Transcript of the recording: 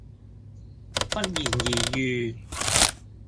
不言而喻